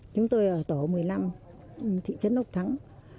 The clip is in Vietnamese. chúng tôi ở tổ một mươi năm thị trấn ốc thắng